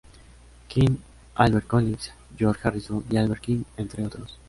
King, Albert Collins, George Harrison y Albert King, entre otros.